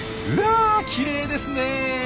うわきれいですね！